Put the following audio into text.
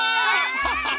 アハハハ！